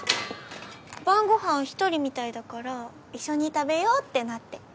晩ご飯一人みたいだから一緒に食べようってなって。